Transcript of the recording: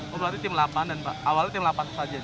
berarti tim delapan dan pak awalnya tim delapan saja